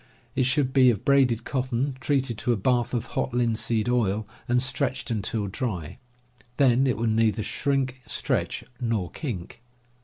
It should be of braided cotton, treated to a bath of hot linseed oil, and stretched until dry; then it will neither shrink, stretch, nor kink.